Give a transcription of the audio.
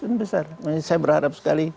dan besar saya berharap sekali